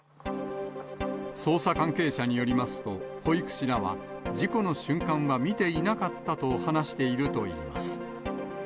捜査関係者によりますと、保育士らは事故の瞬間は見ていなかったと話しているといいます。